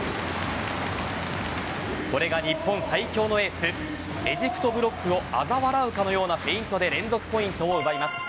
これが日本最強のエースエジプトブロックをあざ笑うかのようなフェイントで連続ポイントを奪います。